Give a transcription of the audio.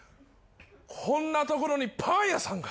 こんな所にパン屋さんが。